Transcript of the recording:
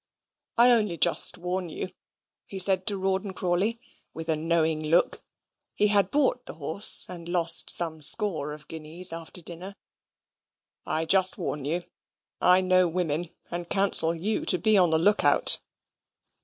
"I only just warn you," he said to Rawdon Crawley, with a knowing look he had bought the horse, and lost some score of guineas after dinner, "I just warn you I know women, and counsel you to be on the look out."